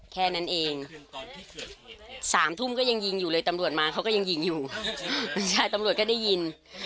แค่นั้นเองสามทุ่มก็ยังยิงอยู่เลยตำรวจมาเขาก็ยังยิงอยู่ใช่ตำรวจก็ได้ยิน